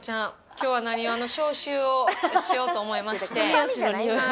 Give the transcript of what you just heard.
今日はなにわの消臭をしようと思いまして。